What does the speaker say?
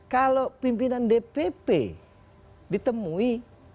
kalau pimpinan dpp ditemui